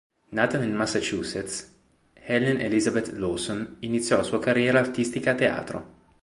Nata nel Massachusetts, Helen Elizabeth Lawson iniziò la sua carriera artistica a teatro.